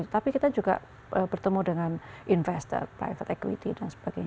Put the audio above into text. tapi kita juga bertemu dengan investor private equity dan sebagainya